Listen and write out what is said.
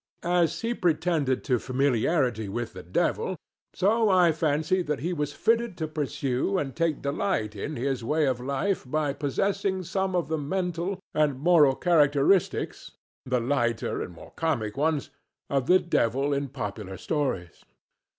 As he pretended to familiarity with the devil, so I fancied that he was fitted to pursue and take delight in his way of life by possessing some of the mental and moral characteristics—the lighter and more comic ones—of the devil in popular stories.